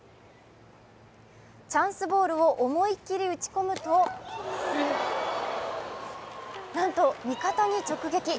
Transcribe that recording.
チャンスボールを思いっきり打ち込むとなんと味方に直撃。